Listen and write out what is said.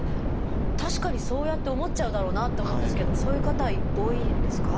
確かにそうやって思っちゃうだろうなって思うんですけどもそういう方多いんですか？